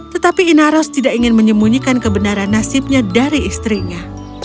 tetapi inaros tidak ingin menyembunyikan kebenaran nasibnya dari istrinya